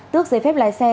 tước giấy phép lái xe